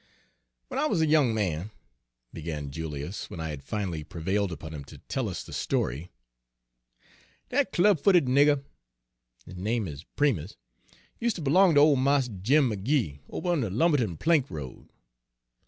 "W'en I wuz a young man," began Julius, when I had finally prevailed upon him to tell us the story, "dat club footed nigger his name is Primus use' ter b'long ter ole Mars Jim McGee ober on de Lumbe'ton plank road.